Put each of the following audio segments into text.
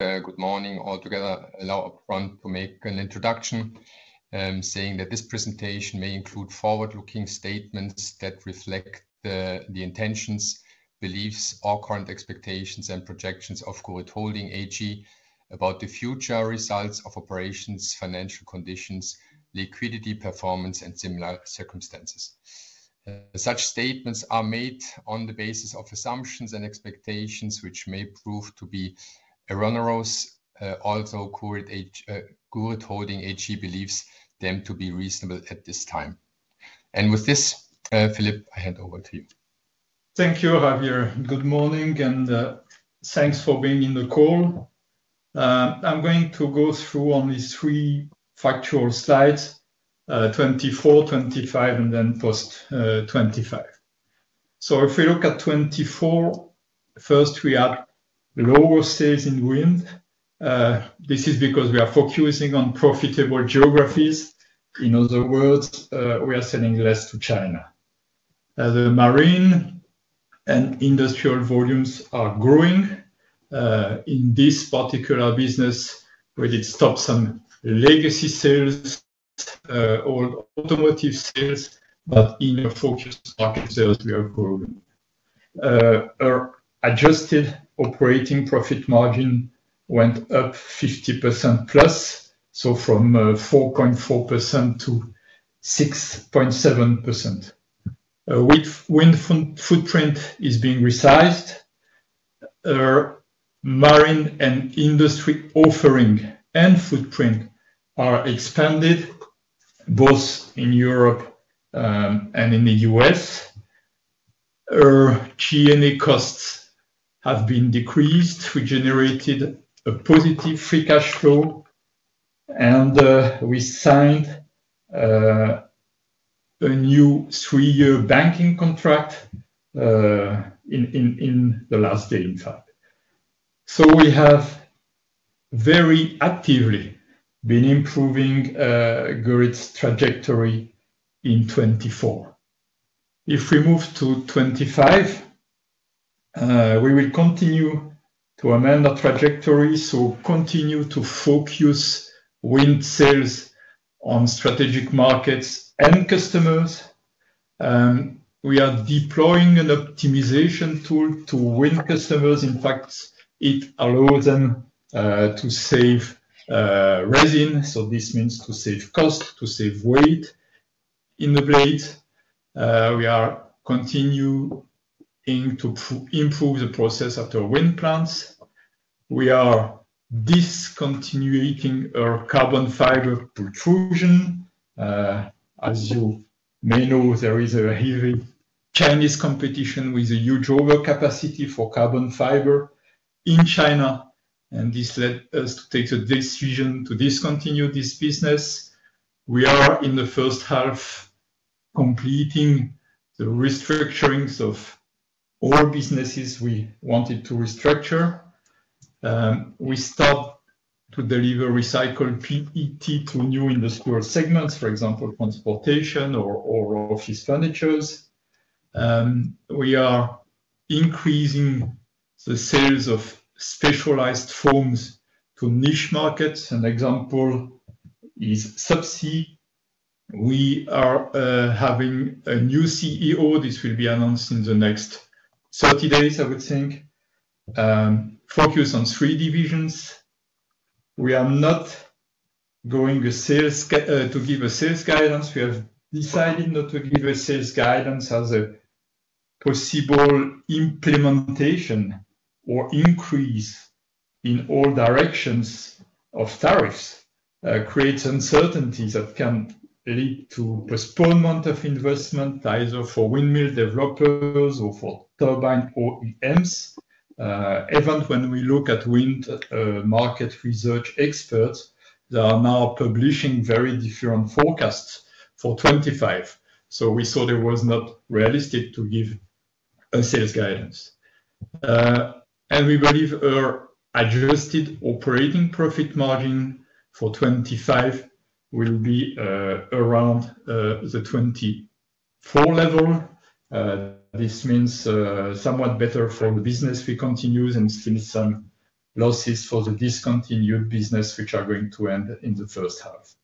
Good morning all together. Allow upfront to make an introduction, saying that this presentation may include forward-looking statements that reflect the intentions, beliefs, or current expectations and projections of Gurit Holding AG about the future results of operations, financial conditions, liquidity performance, and similar circumstances. Such statements are made on the basis of assumptions and expectations which may prove to be erroneous. Also, Gurit Holding AG believes them to be reasonable at this time. With this, Philippe, I hand over to you. Thank you, Javier. Good morning and thanks for being in the call. I'm going to go through only three factual slides: 24, 25, and then post-25. If we look at 24, first we have lower sales in wind. This is because we are focusing on profitable geographies. In other words, we are selling less to China. The marine and industrial volumes are growing. In this particular business, we did stop some legacy sales, all automotive sales, but in the focus market sales, we are growing. Our adjusted operating profit margin went up 50% plus, from 4.4% to 6.7%. Wind footprint is being resized. Our marine and industry offering and footprint are expanded, both in Europe and in the U.S. Our G&A costs have been decreased. We generated a positive free cash flow, and we signed a new three-year banking contract in the last day, in fact. We have very actively been improving Gurit's trajectory in 2024. If we move to 2025, we will continue to amend our trajectory, so continue to focus wind sales on strategic markets and customers. We are deploying an optimization tool to win customers. In fact, it allows them to save resin. This means to save cost, to save weight in the blades. We are continuing to improve the process of our wind plants. We are discontinuing our carbon fiber protrusion. As you may know, there is a heavy Chinese competition with a huge overcapacity for carbon fiber in China, and this led us to take the decision to discontinue this business. We are, in the first half, completing the restructurings of all businesses we wanted to restructure. We stopped to deliver recycled PET to new industrial segments, for example, transportation or office furniture. We are increasing the sales of specialized foams to niche markets. An example is SUBSEA. We are having a new CEO. This will be announced in the next 30 days, I would think. Focus on three divisions. We are not going to give a sales guidance. We have decided not to give a sales guidance as a possible implementation or increase in all directions of tariffs. It creates uncertainty that can lead to postponement of investment either for windmill developers or for turbine OEMs. Even when we look at wind market research experts, they are now publishing very different forecasts for 2025. We saw it was not realistic to give a sales guidance. We believe our adjusted operating profit margin for 2025 will be around the 2024 level. This means somewhat better for the business we continue and still some losses for the discontinued business, which are going to end in the first half.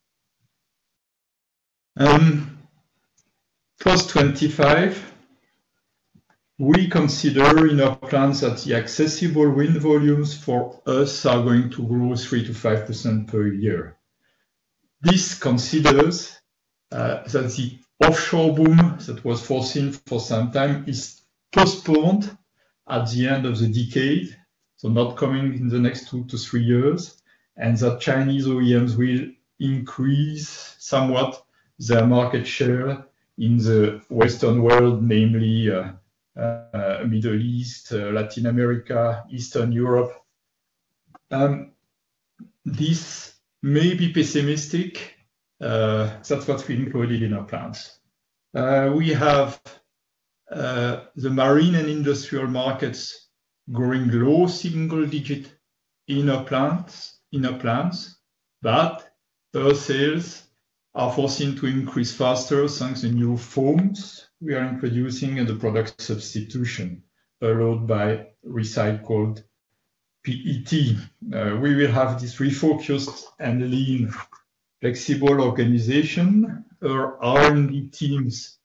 Post-2025, we consider in our plans that the accessible wind volumes for us are going to grow 3-5% per year. This considers that the offshore boom that was foreseen for some time is postponed at the end of the decade, not coming in the next two to three years, and that Chinese OEMs will increase somewhat their market share in the Western world, namely Middle East, Latin America, Eastern Europe. This may be pessimistic. That's what we included in our plans. We have the marine and industrial markets growing low single-digit in our plans, but those sales are forcing to increase faster thanks to new foams we are introducing and the product substitution allowed by recycled PET. We will have this refocused and lean flexible organization. Our R&D teams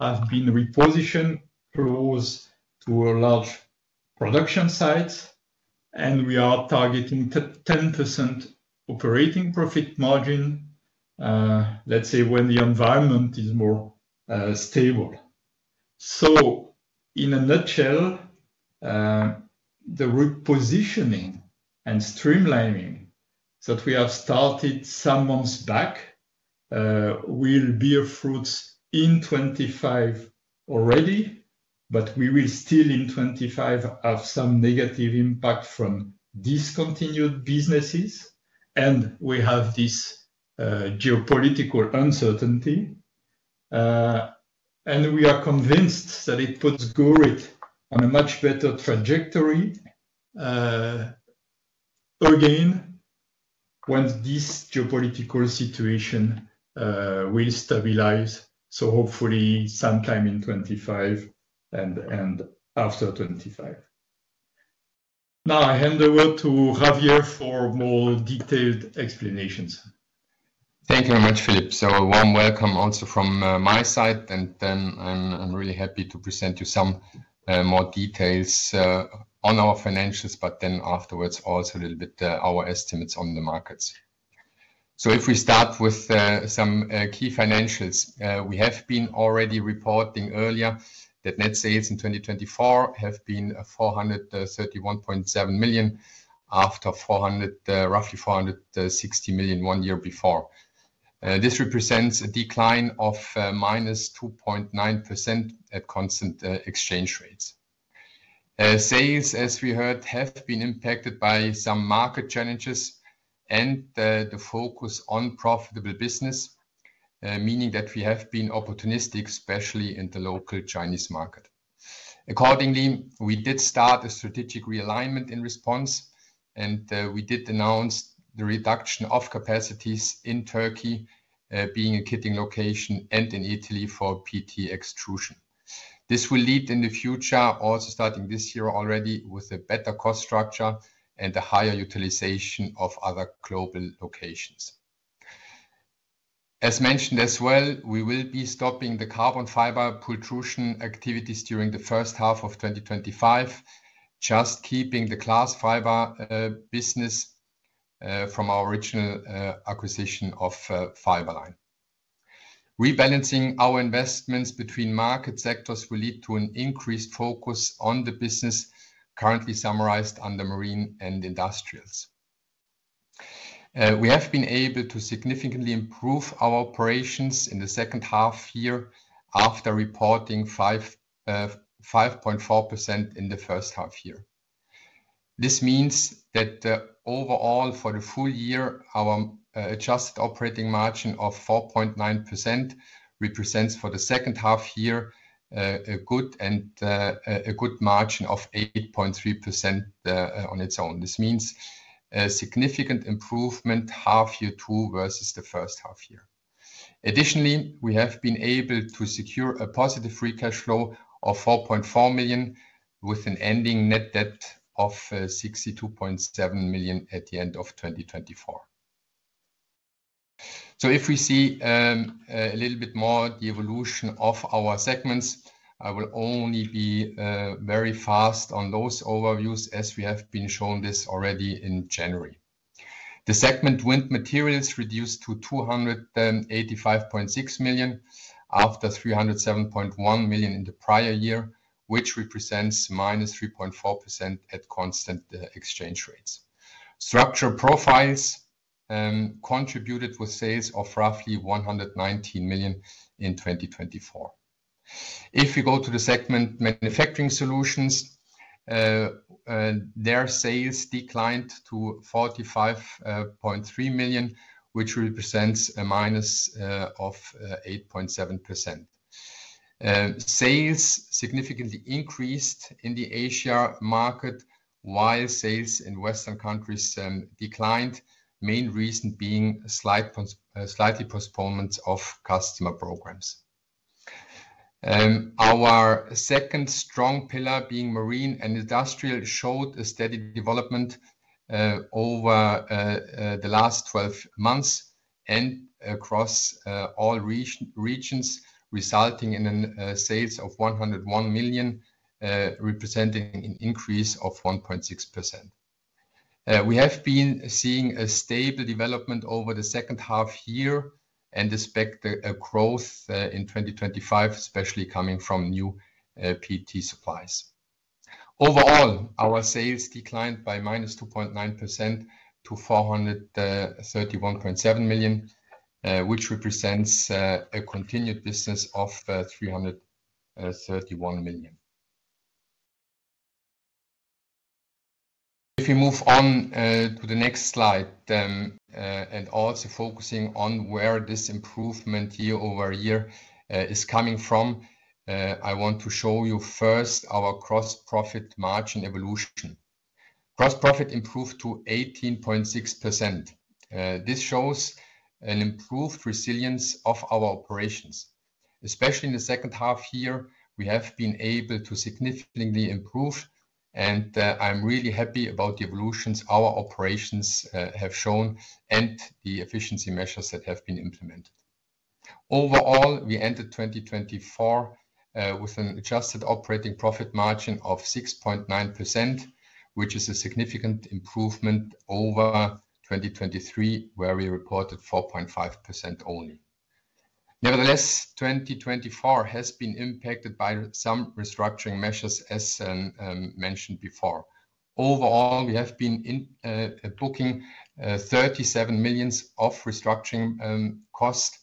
have been repositioned close to our large production sites, and we are targeting 10% operating profit margin, let's say, when the environment is more stable. In a nutshell, the repositioning and streamlining that we have started some months back will bear fruits in 2025 already, but we will still in 2025 have some negative impact from discontinued businesses. We have this geopolitical uncertainty. We are convinced that it puts Gurit on a much better trajectory again when this geopolitical situation will stabilize, hopefully sometime in 2025 and after 2025. Now I hand over to Javier for more detailed explanations. Thank you very much, Philippe. A warm welcome also from my side. I am really happy to present you some more details on our financials, but then afterwards also a little bit our estimates on the markets. If we start with some key financials, we have been already reporting earlier that net sales in 2024 have been 431.7 million after roughly 460 million one year before. This represents a decline of -2.9% at constant exchange rates. Sales, as we heard, have been impacted by some market challenges and the focus on profitable business, meaning that we have been opportunistic, especially in the local Chinese market. Accordingly, we did start a strategic realignment in response, and we did announce the reduction of capacities in Turkey being a kitting location and in Italy for PET extrusion. This will lead in the future, also starting this year already, with a better cost structure and a higher utilization of other global locations. As mentioned as well, we will be stopping the carbon fiber protrusion activities during the first half of 2025, just keeping the glass fiber business from our original acquisition of Fiberline. Rebalancing our investments between market sectors will lead to an increased focus on the business currently summarized under marine and industrials. We have been able to significantly improve our operations in the second half year after reporting 5.4% in the first half year. This means that overall for the full year, our adjusted operating margin of 4.9% represents for the second half year a good margin of 8.3% on its own. This means a significant improvement half year two versus the first half year. Additionally, we have been able to secure a positive free cash flow of 4.4 million with an ending net debt of 62.7 million at the end of 2024. If we see a little bit more the evolution of our segments, I will only be very fast on those overviews as we have been shown this already in January. The segment wind materials reduced to 285.6 million after 307.1 million in the prior year, which represents -3.4% at constant exchange rates. Structure profiles contributed with sales of roughly 119 million in 2024. If we go to the segment manufacturing solutions, their sales declined to 45.3 million, which represents a minus of 8.7%. Sales significantly increased in the Asia market while sales in Western countries declined, main reason being slightly postponement of customer programs. Our second strong pillar being marine and industrial showed a steady development over the last 12 months and across all regions, resulting in sales of 101 million, representing an increase of 1.6%. We have been seeing a stable development over the second half year and expect a growth in 2025, especially coming from new PET supplies. Overall, our sales declined by -2.9% to 431.7 million, which represents a continued business of 331 million. If we move on to the next slide and also focusing on where this improvement year over year is coming from, I want to show you first our gross profit margin evolution. Gross profit improved to 18.6%. This shows an improved resilience of our operations. Especially in the second half year, we have been able to significantly improve, and I'm really happy about the evolutions our operations have shown and the efficiency measures that have been implemented. Overall, we ended 2024 with an adjusted operating profit margin of 6.9%, which is a significant improvement over 2023, where we reported 4.5% only. Nevertheless, 2024 has been impacted by some restructuring measures, as mentioned before. Overall, we have been booking 37 million of restructuring cost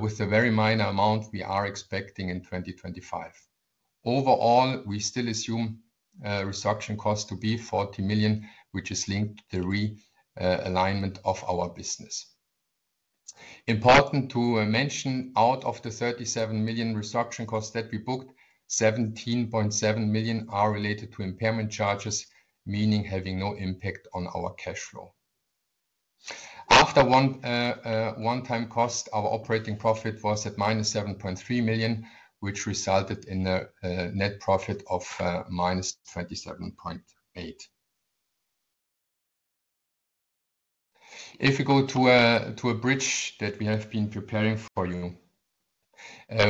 with a very minor amount we are expecting in 2025. Overall, we still assume restructuring cost to be 40 million, which is linked to the realignment of our business. Important to mention, out of the 37 million restructuring cost that we booked, 17.7 million are related to impairment charges, meaning having no impact on our cash flow. After one-time cost, our operating profit was at minus 7.3 million, which resulted in a net profit of minus 27.8 million. If we go to a bridge that we have been preparing for you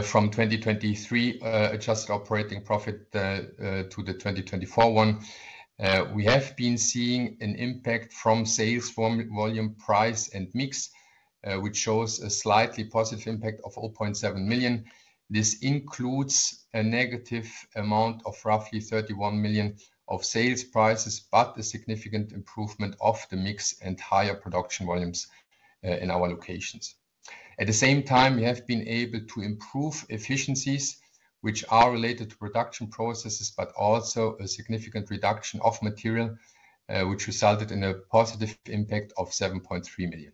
from 2023 adjusted operating profit to the 2024 one, we have been seeing an impact from sales volume, price, and mix, which shows a slightly positive impact of 0.7 million. This includes a negative amount of roughly 31 million of sales prices, but a significant improvement of the mix and higher production volumes in our locations. At the same time, we have been able to improve efficiencies, which are related to production processes, but also a significant reduction of material, which resulted in a positive impact of 7.3 million.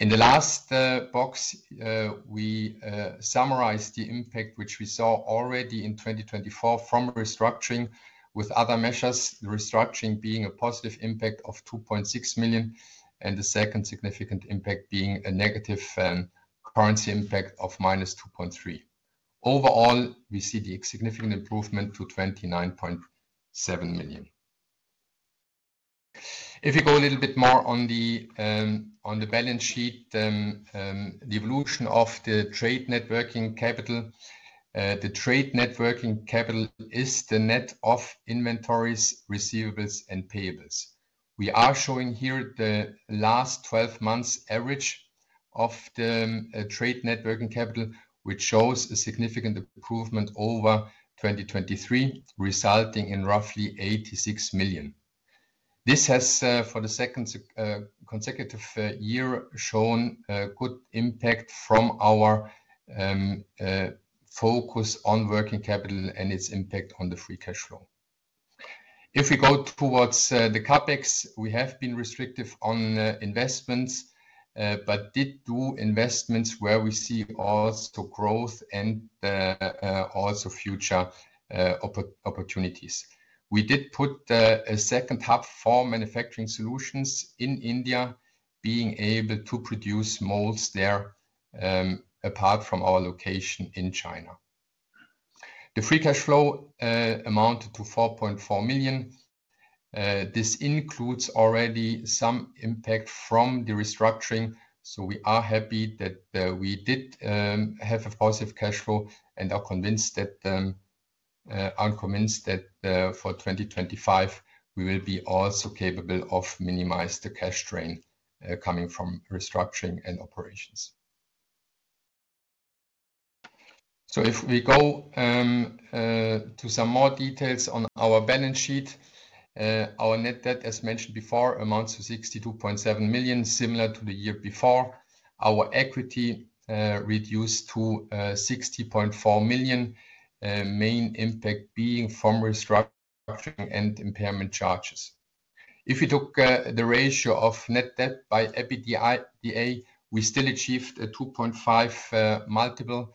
In the last box, we summarize the impact which we saw already in 2024 from restructuring with other measures, the restructuring being a positive impact of 2.6 million and the second significant impact being a negative currency impact of minus 2.3 million. Overall, we see the significant improvement to 29.7 million. If we go a little bit more on the balance sheet, the evolution of the trade net working capital, the trade net working capital is the net of inventories, receivables, and payables. We are showing here the last 12 months' average of the trade net working capital, which shows a significant improvement over 2023, resulting in roughly 86 million. This has, for the second consecutive year, shown a good impact from our focus on working capital and its impact on the free cash flow. If we go towards the CapEx, we have been restrictive on investments, but did do investments where we see also growth and also future opportunities. We did put a second hub for manufacturing solutions in India, being able to produce molds there apart from our location in China. The free cash flow amounted to 4.4 million. This includes already some impact from the restructuring. We are happy that we did have a positive cash flow and are convinced that for 2025, we will be also capable of minimizing the cash strain coming from restructuring and operations. If we go to some more details on our balance sheet, our net debt, as mentioned before, amounts to 62.7 million, similar to the year before. Our equity reduced to 60.4 million, main impact being from restructuring and impairment charges. If we took the ratio of net debt by EBITDA, we still achieved a 2.5 multiple,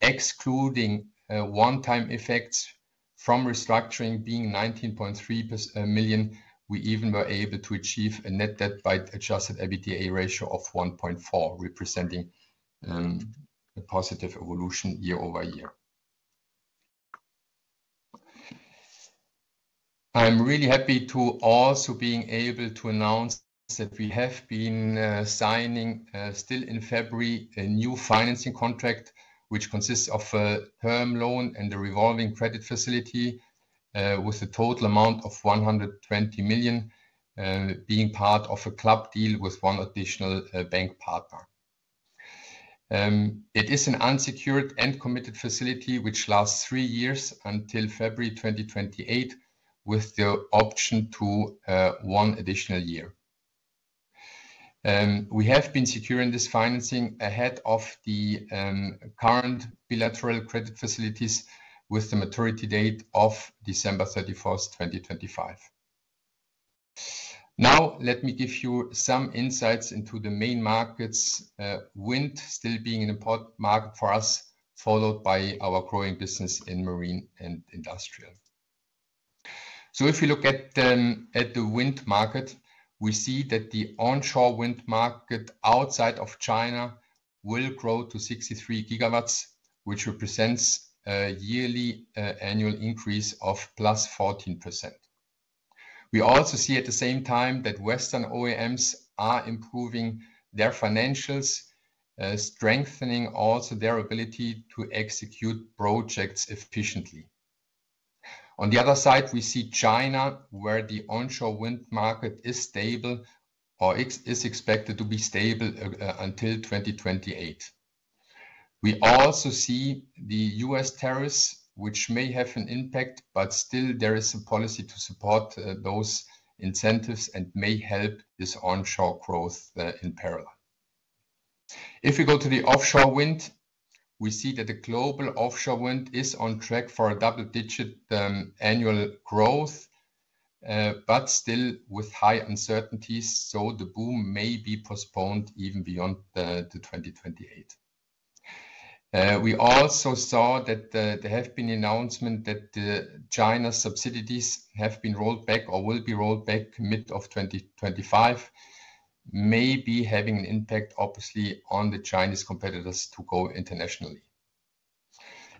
excluding one-time effects from restructuring being 19.3 million. We even were able to achieve a net debt by adjusted EBITDA ratio of 1.4, representing a positive evolution year over year. I'm really happy to also be able to announce that we have been signing still in February a new financing contract, which consists of a term loan and a revolving credit facility with a total amount of 120 million being part of a club deal with one additional bank partner. It is an unsecured and committed facility, which lasts three years until February 2028, with the option to one additional year. We have been securing this financing ahead of the current bilateral credit facilities with the maturity date of December 31, 2025. Now, let me give you some insights into the main markets, wind still being an important market for us, followed by our growing business in marine and industrial. If we look at the wind market, we see that the onshore wind market outside of China will grow to 63 GW, which represents a yearly annual increase of 14%. We also see at the same time that Western OEMs are improving their financials, strengthening also their ability to execute projects efficiently. On the other side, we see China, where the onshore wind market is stable or is expected to be stable until 2028. We also see the U.S. tariffs, which may have an impact, but still there is a policy to support those incentives and may help this onshore growth in parallel. If we go to the offshore wind, we see that the global offshore wind is on track for a double-digit annual growth, but still with high uncertainties. The boom may be postponed even beyond 2028. We also saw that there have been announcements that China's subsidies have been rolled back or will be rolled back mid of 2025, maybe having an impact, obviously, on the Chinese competitors to go internationally.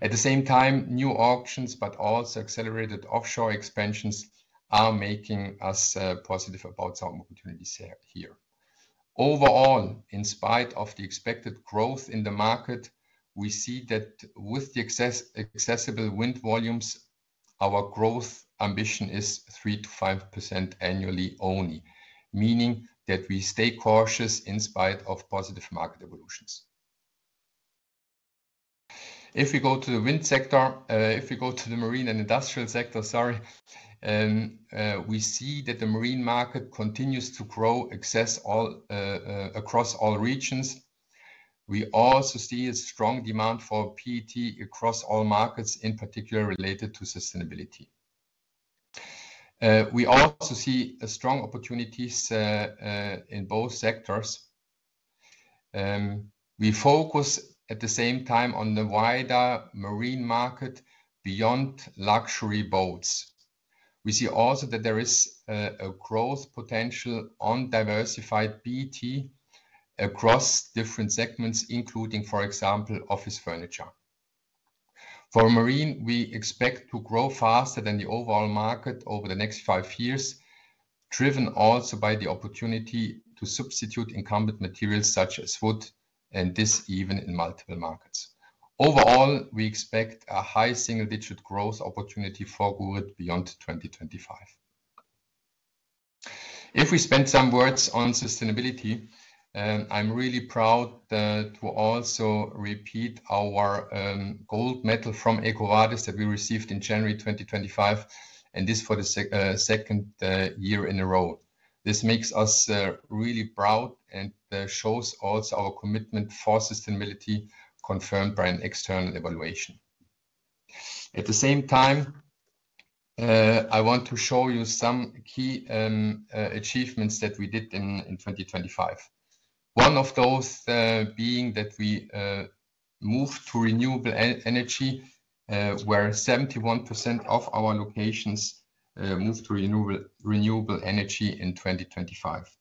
At the same time, new auctions, but also accelerated offshore expansions are making us positive about some opportunities here. Overall, in spite of the expected growth in the market, we see that with the accessible wind volumes, our growth ambition is 3-5% annually only, meaning that we stay cautious in spite of positive market evolutions. If we go to the wind sector, if we go to the marine and industrial sector, sorry, we see that the marine market continues to grow across all regions. We also see a strong demand for PET across all markets, in particular related to sustainability. We also see strong opportunities in both sectors. We focus at the same time on the wider marine market beyond luxury boats. We see also that there is a growth potential on diversified PET across different segments, including, for example, office furniture. For marine, we expect to grow faster than the overall market over the next five years, driven also by the opportunity to substitute incumbent materials such as wood, and this even in multiple markets. Overall, we expect a high single-digit growth opportunity for Gurit beyond 2025. If we spend some words on sustainability, I'm really proud to also repeat our gold medal from EcoVadis that we received in January 2025, and this for the second year in a row. This makes us really proud and shows also our commitment for sustainability confirmed by an external evaluation. At the same time, I want to show you some key achievements that we did in 2025. One of those being that we moved to renewable energy, where 71% of our locations moved to renewable energy in 2025.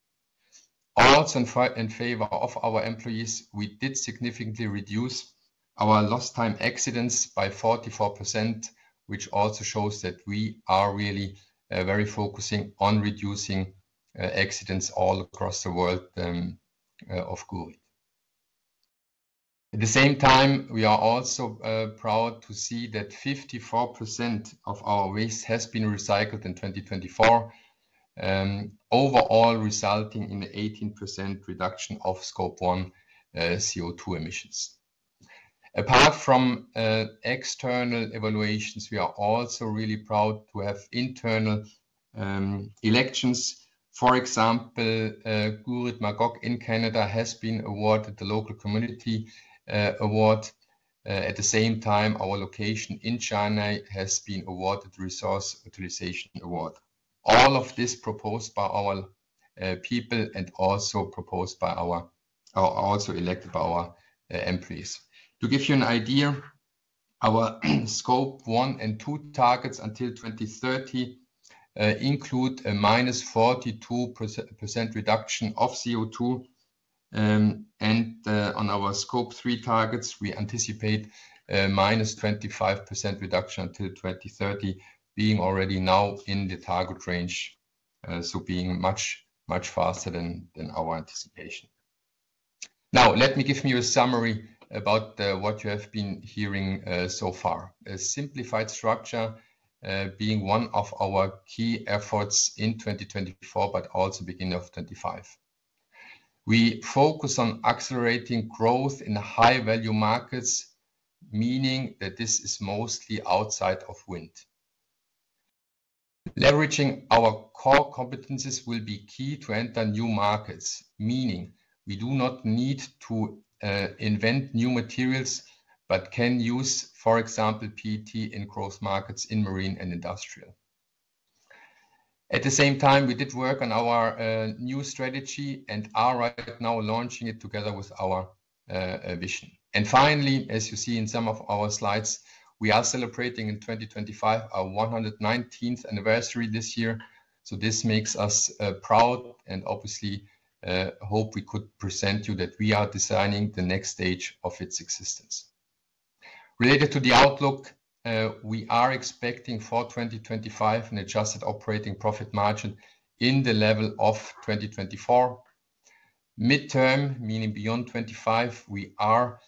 Also in favor of our employees, we did significantly reduce our lost-time accidents by 44%, which also shows that we are really very focusing on reducing accidents all across the world of Gurit. At the same time, we are also proud to see that 54% of our waste has been recycled in 2024, overall resulting in an 18% reduction of scope 1 CO2 emissions. Apart from external evaluations, we are also really proud to have internal elections. For example, Gurit Magog in Canada has been awarded the local community award. At the same time, our location in China has been awarded the resource utilization award. All of this proposed by our people and also proposed by our also elected by our employees. To give you an idea, our scope 1 and 2 targets until 2030 include a minus 42% reduction of CO2, and on our scope 3 targets, we anticipate a minus 25% reduction until 2030, being already now in the target range, so being much, much faster than our anticipation. Now, let me give you a summary about what you have been hearing so far. A simplified structure being one of our key efforts in 2024, but also beginning of 2025. We focus on accelerating growth in high-value markets, meaning that this is mostly outside of wind. Leveraging our core competencies will be key to enter new markets, meaning we do not need to invent new materials, but can use, for example, PET in growth markets in marine and industrial. At the same time, we did work on our new strategy and are right now launching it together with our vision. Finally, as you see in some of our slides, we are celebrating in 2025 our 119th anniversary this year. This makes us proud and obviously hope we could present you that we are designing the next stage of its existence. Related to the outlook, we are expecting for 2025 an adjusted operating profit margin in the level of 2024. Midterm, meaning beyond 2025, we are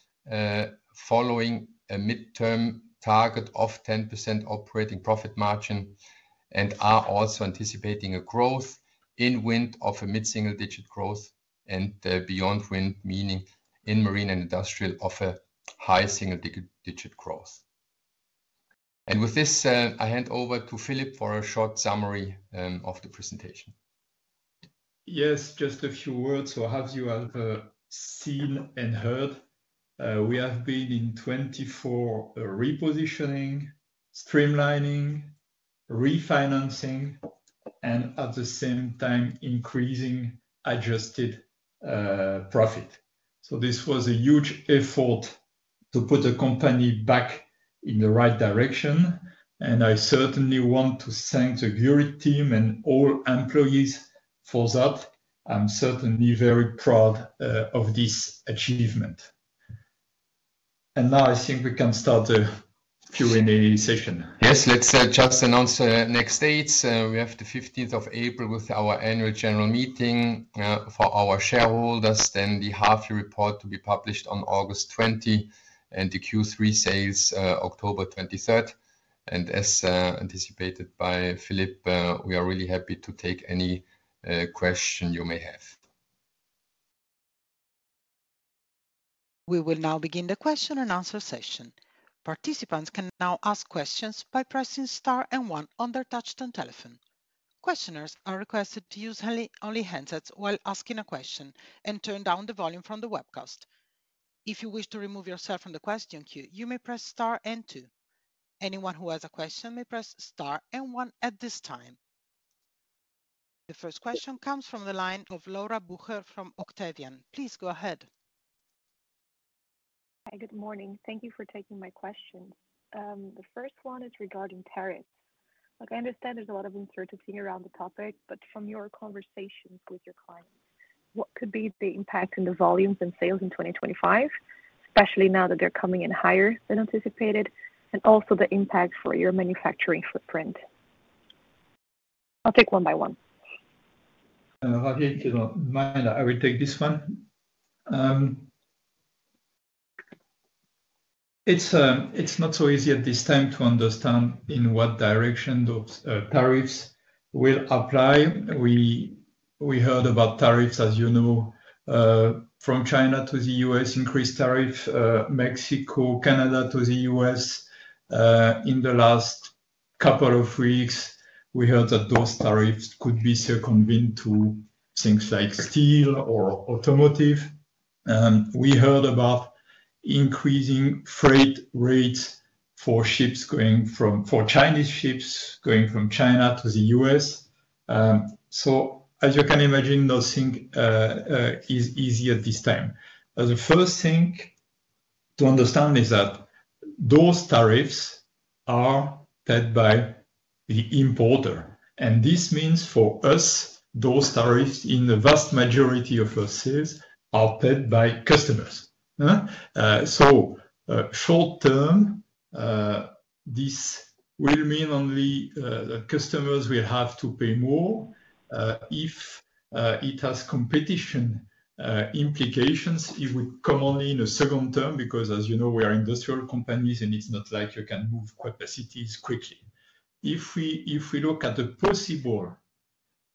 following a midterm target of 10% operating profit margin and are also anticipating a growth in wind of a mid-single-digit growth and beyond wind, meaning in marine and industrial of a high single-digit growth. With this, I hand over to Philippe for a short summary of the presentation. Yes, just a few words. As you have seen and heard, we have been in 2024 repositioning, streamlining, refinancing, and at the same time increasing adjusted profit. This was a huge effort to put a company back in the right direction. I certainly want to thank the Gurit team and all employees for that. I'm certainly very proud of this achievement. Now I think we can start the Q&A session. Yes, let's just announce next dates. We have the 15th of April with our annual general meeting for our shareholders, then the half-year report to be published on August 20, and the Q3 sales October 23rd. As anticipated by Philippe, we are really happy to take any question you may have. We will now begin the question and answer session. Participants can now ask questions by pressing star and one on their touchstone telephone. Questioners are requested to use only handsets while asking a question and turn down the volume from the webcast. If you wish to remove yourself from the question queue, you may press star and two. Anyone who has a question may press star and one at this time. The first question comes from the line of Laura Bucher from Octavian. Please go ahead. Hi, good morning. Thank you for taking my questions. The first one is regarding tariffs. Like I understand there's a lot of uncertainty around the topic, but from your conversations with your clients, what could be the impact in the volumes and sales in 2025, especially now that they're coming in higher than anticipated, and also the impact for your manufacturing footprint? I'll take one by one. Javier, if you don't mind, I will take this one. It's not so easy at this time to understand in what direction those tariffs will apply. We heard about tariffs, as you know, from China to the U.S., increased tariffs, Mexico, Canada to the U.S.. In the last couple of weeks, we heard that those tariffs could be circumvented to things like steel or automotive. We heard about increasing freight rates for Chinese ships going from China to the U.S. As you can imagine, nothing is easy at this time. The first thing to understand is that those tariffs are paid by the importer. This means for us, those tariffs in the vast majority of our sales are paid by customers. Short term, this will mean only the customers will have to pay more if it has competition implications. It would come only in a second term because, as you know, we are industrial companies and it's not like you can move capacities quickly. If we look at the possible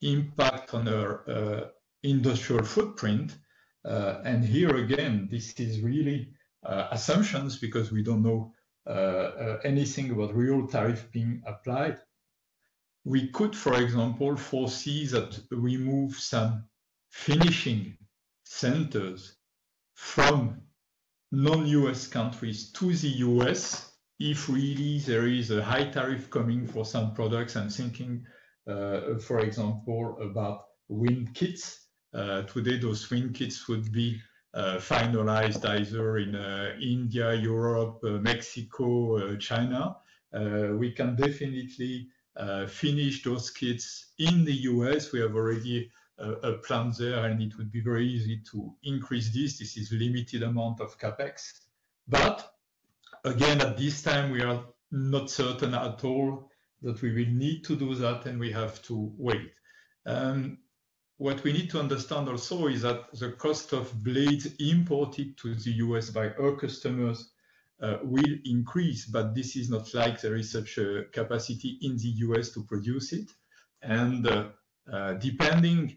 impact on our industrial footprint, and here again, this is really assumptions because we do not know anything about real tariff being applied, we could, for example, foresee that we move some finishing centers from non-U.S. countries to the U.S. if really there is a high tariff coming for some products. I am thinking, for example, about wind kits. Today, those wind kits would be finalized either in India, Europe, Mexico, China. We can definitely finish those kits in the U.S. We have already a plan there, and it would be very easy to increase this. This is a limited amount of CapEx. At this time, we are not certain at all that we will need to do that, and we have to wait. What we need to understand also is that the cost of blades imported to the U.S. by our customers will increase, but this is not like there is such a capacity in the U.S. to produce it. Depending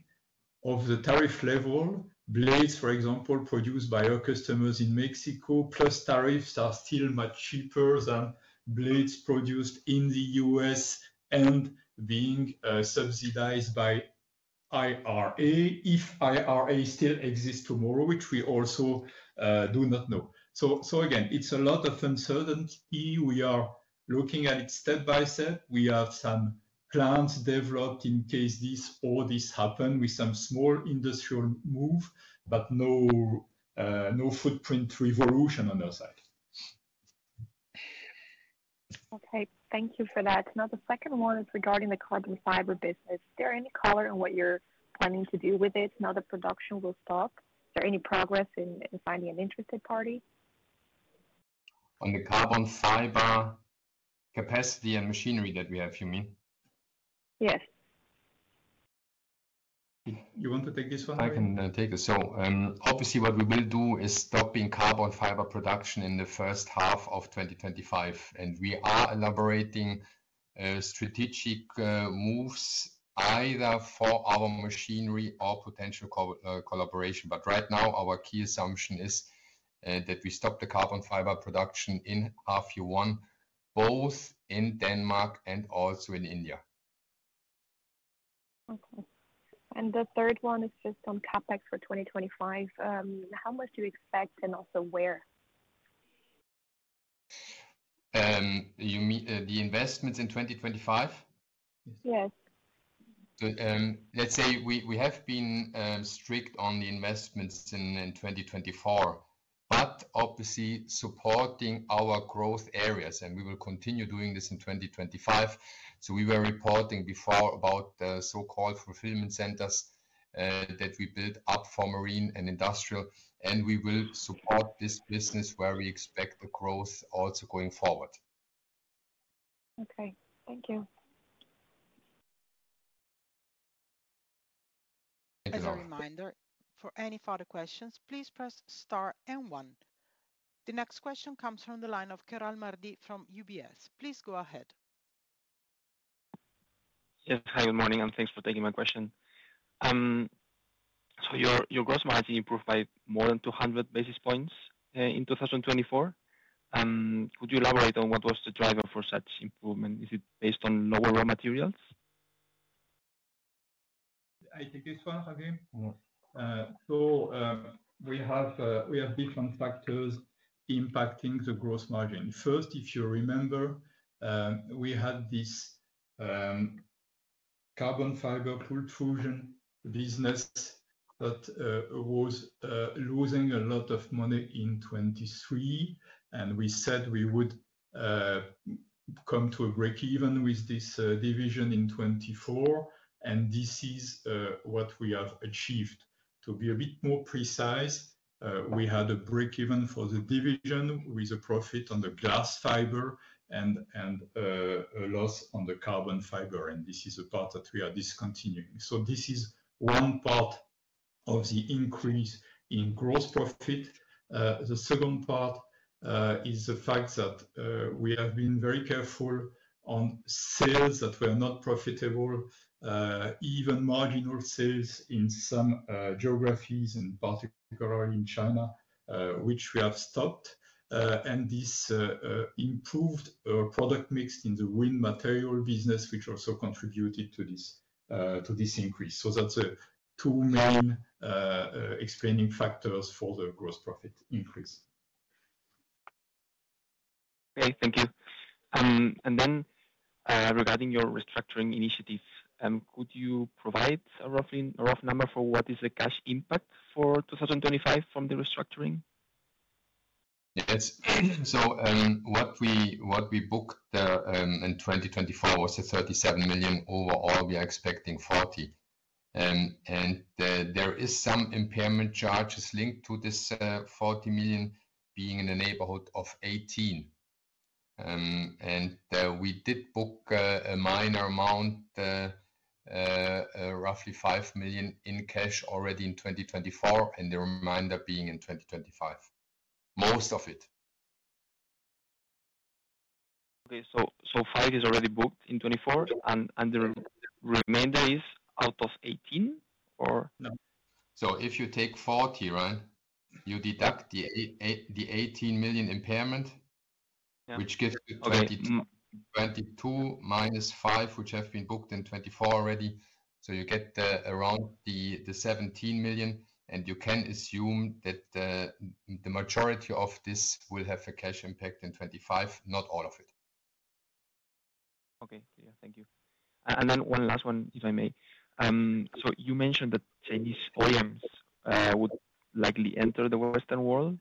on the tariff level, blades, for example, produced by our customers in Mexico plus tariffs are still much cheaper than blades produced in the U.S. and being subsidized by IRA, if IRA still exists tomorrow, which we also do not know. It is a lot of uncertainty. We are looking at it step by step. We have some plans developed in case all this happens with some small industrial move, but no footprint revolution on our side. Okay, thank you for that. Now, the second one is regarding the carbon fiber business. Is there any color in what you're planning to do with it? Now that production will stop, is there any progress in finding an interested party? On the carbon fiber capacity and machinery that we have, you mean? Yes. You want to take this one? I can take this. Obviously, what we will do is stop the carbon fiber production in the first half of 2025. We are elaborating strategic moves either for our machinery or potential collaboration. Right now, our key assumption is that we stop the carbon fiber production in half-year one, both in Denmark and also in India. Okay. The third one is just on CapEx for 2025. How much do you expect and also where? The investments in 2025? Yes. Let's say we have been strict on the investments in 2024, but obviously supporting our growth areas, and we will continue doing this in 2025. We were reporting before about the so-called fulfillment centers that we built up for marine and industrial, and we will support this business where we expect the growth also going forward. Okay, thank you. As a reminder, for any further questions, please press star and one. The next question comes from the line of Marti Queral Ferre from UBS. Please go ahead. Yes, hi, good morning, and thanks for taking my question. Your gross margin improved by more than 200 basis points in 2024. Could you elaborate on what was the driver for such improvement? Is it based on lower raw materials? I take this one, Javier. We have different factors impacting the gross margin. First, if you remember, we had this carbon fiber cold fusion business that was losing a lot of money in 2023, and we said we would come to a break-even with this division in 2024. This is what we have achieved. To be a bit more precise, we had a break-even for the division with a profit on the glass fiber and a loss on the carbon fiber. This is the part that we are discontinuing. This is one part of the increase in gross profit. The second part is the fact that we have been very careful on sales that were not profitable, even marginal sales in some geographies, particularly in China, which we have stopped. This improved product mix in the wind material business also contributed to this increase. That is two main explaining factors for the gross profit increase. Okay, thank you. Regarding your restructuring initiatives, could you provide a rough number for what is the cash impact for 2025 from the restructuring? Yes. What we booked in 2024 was 37 million overall. We are expecting 40 million. There are some impairment charges linked to this 40 million being in the neighborhood of 18 million. We did book a minor amount, roughly 5 million in cash already in 2024, and the remainder being in 2025, most of it. Okay, so 5 million is already booked in 2024, and the remainder is out of 18 million or? If you take 40 million, right, you deduct the 18 million impairment, which gives you 22 million minus 5 million, which have been booked in 2024 already. You get around 17 million, and you can assume that the majority of this will have a cash impact in 2025, not all of it. Okay, thank you. One last one, if I may. You mentioned that Chinese OEMs would likely enter the Western world,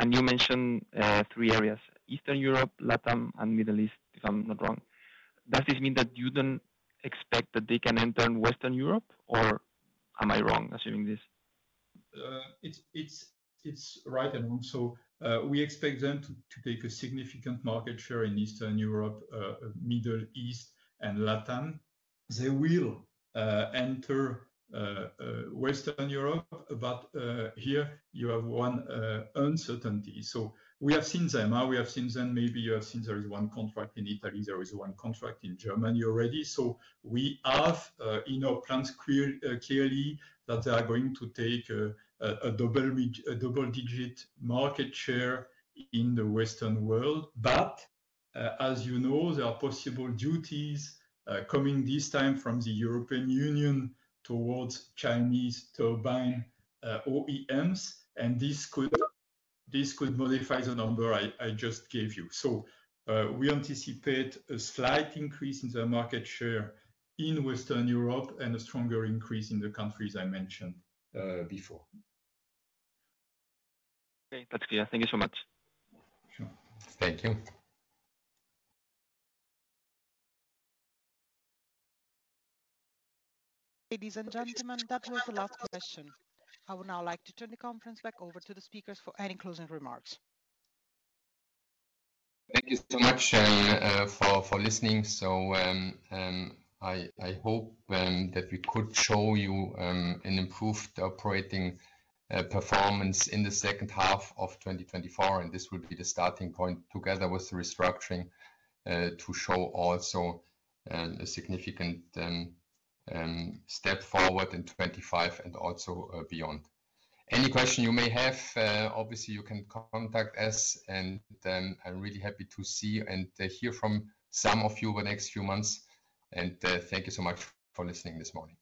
and you mentioned three areas: Eastern Europe, LATAM, and Middle East, if I'm not wrong. Does this mean that you don't expect that they can enter Western Europe, or am I wrong assuming this? It's right and wrong. We expect them to take a significant market share in Eastern Europe, Middle East, and LATAM. They will enter Western Europe, but here you have one uncertainty. We have seen them, maybe you have seen there is one contract in Italy, there is one contract in Germany already. We have in our plans clearly that they are going to take a double-digit market share in the Western world. As you know, there are possible duties coming this time from the European Union towards Chinese turbine OEMs, and this could modify the number I just gave you. We anticipate a slight increase in their market share in Western Europe and a stronger increase in the countries I mentioned before. Okay, that's clear. Thank you so much. Thank you. Ladies and gentlemen, that was the last question. I would now like to turn the conference back over to the speakers for any closing remarks. Thank you so much for listening. I hope that we could show you an improved operating performance in the second half of 2024, and this will be the starting point together with the restructuring to show also a significant step forward in 2025 and also beyond. Any question you may have, obviously, you can contact us, and I'm really happy to see and hear from some of you over the next few months. Thank you so much for listening this morning.